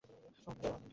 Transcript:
তোমার প্লান কি?